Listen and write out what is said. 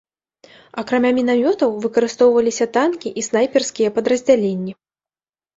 Акрамя мінамётаў выкарыстоўваліся танкі і снайперскія падраздзяленні.